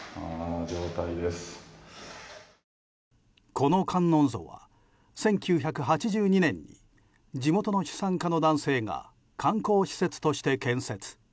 この観音像は１９８２年に地元の資産家の男性が観光施設として建設。